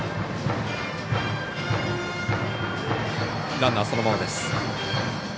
ランナーそのままです。